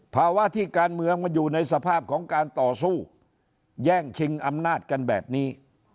ภาวะที่การเมืองมันอยู่ในสภาพของการต่อสู้แย่งชิงอำนาจกันแบบนี้